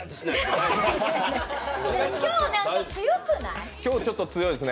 今日、なんか強くない？